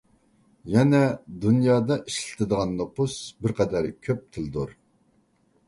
يەنە دۇنيادا ئىشلىتىدىغان نوپۇس بىرقەدەر كۆپ تىلدۇر.